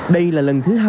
đây là lần thứ hai